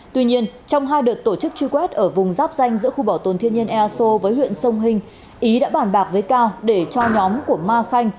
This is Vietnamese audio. tuy nhiên trong hai đợt tổ chức truy quét ở vùng giáp danh giữa khu bảo tồn thiên nhiên ea sô với huyện sông hình ý đã bàn bạc với cao để cho nhóm của ma khanh